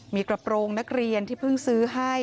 มีกระโปรงนักเรียนที่เพิ่งซื้อให้